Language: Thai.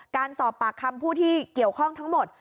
การสอบปากคำผู้ที่เกี่ยวข้องทั้งหมด